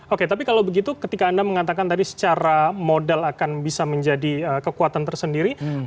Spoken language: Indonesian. oke tapi kalau begitu ketika anda mengatakan tadi secara modal akan bisa menjadi kekuatan tersendiri